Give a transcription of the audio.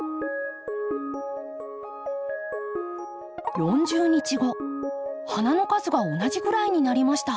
４０日後花の数が同じぐらいになりました。